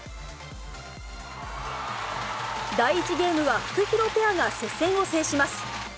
第１ゲームは、フクヒロペアが接戦を制します。